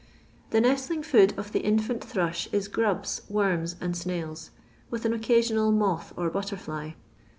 The nestling food of the infant thrush is grubs, worms, and snail:*, with an occasional moth or butterfly.